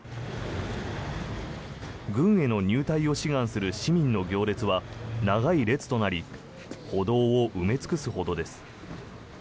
軍への入隊を志願する市民の行列は長い列となり歩道を埋め尽くすほどです。